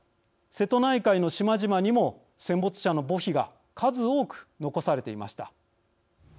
瀬戸内海の島々にも戦没者の墓碑が数多く残されていました。